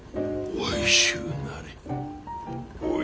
おいしゅうなれ。